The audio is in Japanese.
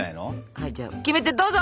はいじゃあキメテどうぞ！